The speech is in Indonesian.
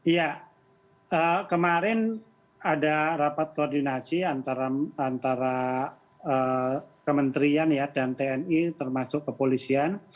ya kemarin ada rapat koordinasi antara kementerian dan tni termasuk kepolisian